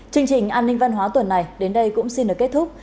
chương trình an ninh văn hóa tuần này đến đây cũng xin được kết thúc